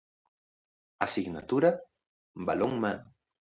Asignatura: Balonmano.